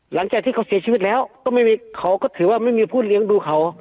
หลังจากที่เขาเสียชีวิตแล้วก็ไม่มีเขาก็ถือว่าไม่มีผู้เลี้ยงดูเขา